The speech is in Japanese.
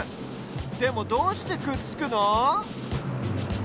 でもどうしてくっつくの？